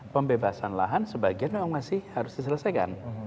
pembebasan lahan sebagian memang masih harus diselesaikan